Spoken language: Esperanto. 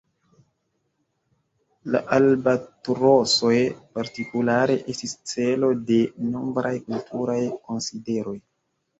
La albatrosoj partikulare estis celo de nombraj kulturaj konsideroj.